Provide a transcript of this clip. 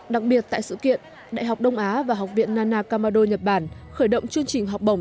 đặc biệt tại sự kiện đại học đông á và học viện nanakamado nhật bản khởi động chương trình học bổng